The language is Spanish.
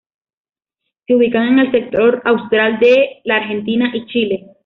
Se ubican en el sector austral de la Argentina y Chile.